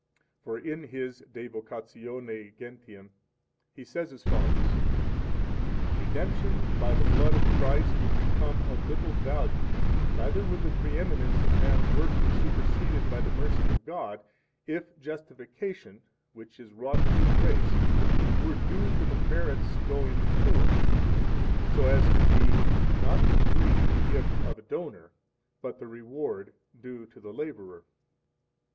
For in his De Vocatione Gentium he says as follows: Redemption by the blood of Christ would become of little value, neither would the preeminence of man's works be superseded by the mercy of God, if justification, which is wrought through grace, were due to the merits going before, so as to be, not the free gift of a donor, but the reward due to the laborer.